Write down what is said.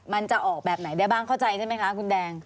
มันจะออกแบบไหนได้บ้างเข้าใจใช่ไหมคะคุณแดง